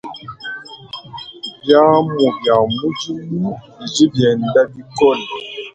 Biamu bia mudimu bidi bienda bikola.